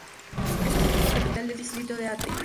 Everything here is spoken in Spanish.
Es asimismo capital del distrito de Ate.